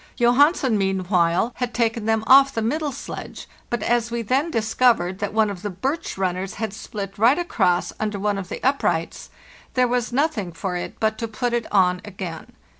Johansen, meanwhile, had taken them off the middle sledge; but as we then discovered that one of the birch runners had split right across under one of the uprights, there was nothing for it but to put it on "WE MADE FAIRLY GOOD PROGRESS " again.